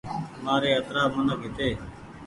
مآري اترآ منک هيتي